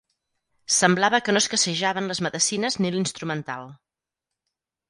Semblava que no escassejaven les medecines ni l'instrumental